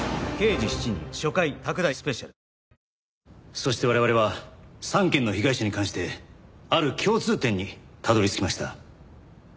そして我々は３件の被害者に関してある共通点にたどり着きました。